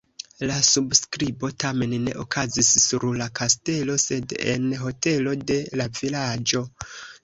La subskribo tamen ne okazis sur la kastelo, sed en hotelo de la vilaĝo.